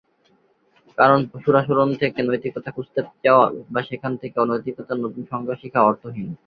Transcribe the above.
কারণ পশুর আচরণ থেকে নৈতিকতা খুজতে যাওয়া বা সেখান থেকে নৈতিকতার নতুন সংজ্ঞা শিখা অর্থহীন।